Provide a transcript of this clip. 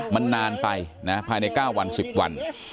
มันนานไปนะภายใน๙วัน๑๐วัน